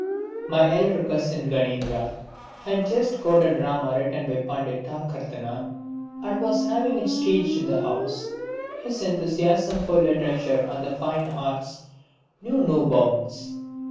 My elder cousin Ganendra had just got a drama written by Pandit Tarkaratna and was having it staged in the house. His enthusiasm for literature and the fine arts knew no bounds.